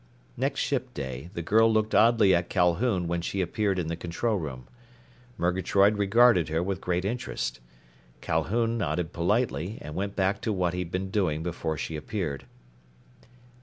Next ship day the girl looked oddly at Calhoun when she appeared in the control room. Murgatroyd regarded her with great interest. Calhoun nodded politely and went back to what he'd been doing before she appeared.